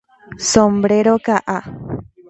Sombrero ka'a.